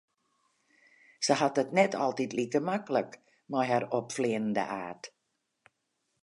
Se hat it net altyd like maklik mei har opfleanende aard.